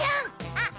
あっ！